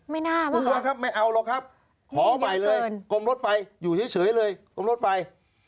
ไม่น่าว่าครับไม่เอาหรอกครับขอไปเลยกมรถไฟอยู่เฉยเลยกมรถไฟ